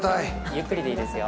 ゆっくりでいいですよ。